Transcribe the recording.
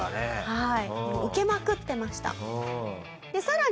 はい。